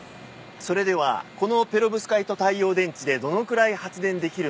それではこのペロブスカイト太陽電池でどのくらい発電できるのか。